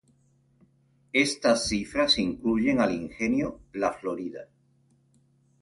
Estas cifras incluyen al Ingenio La Florida.